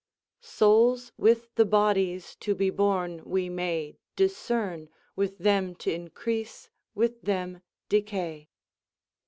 "Souls with the bodies to be born we may Discern, with them t' increase, with them decay."